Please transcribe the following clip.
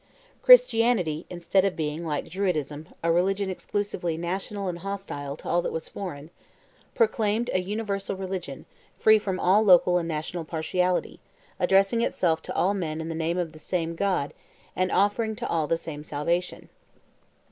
Christianity, instead of being, like Druidism, a religion exclusively national and hostile to all that was foreign, proclaimed a universal religion, free from all local and national partiality, addressing itself to all men in the name of the same God, and offering to all the same salvation.